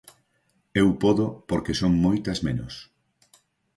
Eu podo porque son moitas menos.